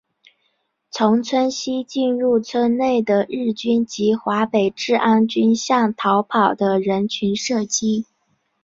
从村西进入村内的日军及华北治安军向逃跑的人群射击。